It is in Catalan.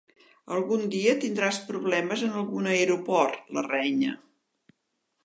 Algun dia tindràs problemes en algun aeroport —la renya.